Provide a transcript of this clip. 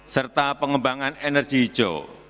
serta pengembangan energi hijau